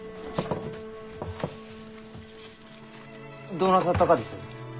どうなさったがです？